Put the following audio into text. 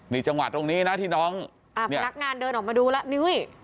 นี่จังหวะตรงนี้นะที่น้องพนักงานเดินออกมาดูแล้วนุ้ย